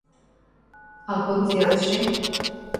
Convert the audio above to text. — А концертше?